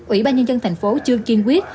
ủy ban nhân dân tp hcm chưa chiên quyết